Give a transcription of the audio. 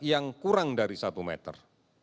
yang kurang dari satu meter